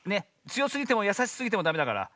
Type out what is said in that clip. つよすぎてもやさしすぎてもダメだから。